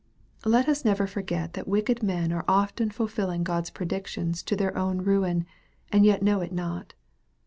Let us never forget that wicked men are often fulfilling God's predictions to their own ruin, and yet know it not.